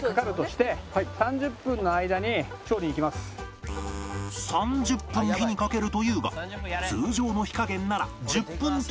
なんか３０分火にかけるというが通常の火加減なら１０分程度でオーケー